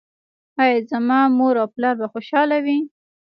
ایا زما مور او پلار به خوشحاله وي؟